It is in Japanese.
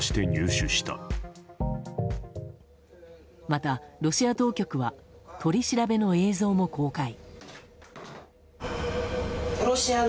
またロシア当局は取り調べの映像も公開。